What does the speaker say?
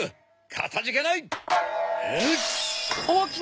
かたじけない！